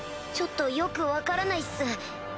ちょっとよく分からないっす。